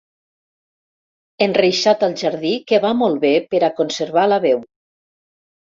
Enreixat al jardí que va molt bé per a conservar la veu.